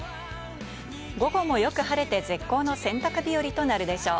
午後もよく晴れて絶好の洗濯日和となるでしょう。